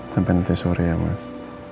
sampai nanti sore ya mas